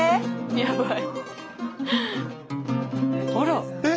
やばい。